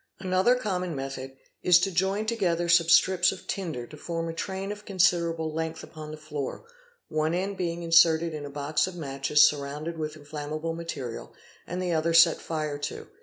Another common method is to join together some strips of tinder to form a train of considerable length upon the floor, one end being inserted in a box of matches surrounded with inflammable material and the other set fire to.